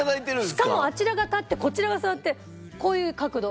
しかもあちらが立ってこちらが座ってこういう角度。